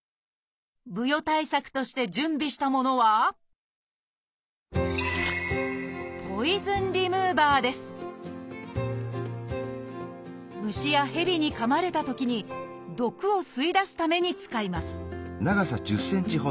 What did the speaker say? ブヨ対策として準備したものは虫やヘビにかまれたときに毒を吸い出すために使います